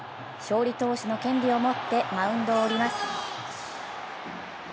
勝利投手の権利を持ってマウンドを降ります。